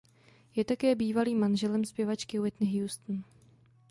Je také bývalým manželem zpěvačky Whitney Houston.